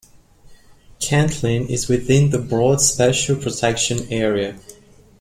Cantley is within the Broads Special Protection Area.